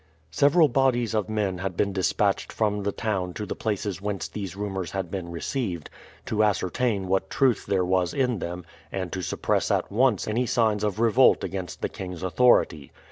Several bodies of men had been dispatched from the town to the places whence these rumors had been received, to ascertain what truth there was in them and to suppress at once any signs of revolt against the king's authority.